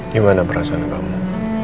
gimana perasaan kamu